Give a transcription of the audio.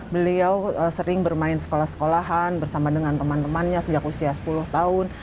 beliau sering bermain sekolah sekolahan bersama dengan teman temannya sejak usia sepuluh tahun